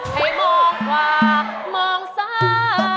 ให้มองขวามองซ่า